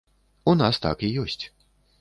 У нас так і ёсць.